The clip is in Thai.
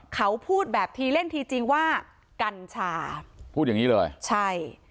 เขาพูดแบบทีเล่นทีจริงว่ากัญชาพูดอย่างงี้เลยใช่